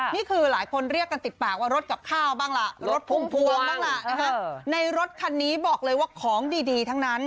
นี่คือหลายคนเรียกกันติดปากว่ารถกับข้าวบ้างล่ะรถพุ่มพวงบ้างล่ะนะฮะในรถคันนี้บอกเลยว่าของดีทั้งนั้น